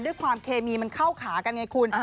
ด้วยความเคมีมันเข้าขากันไงคุณ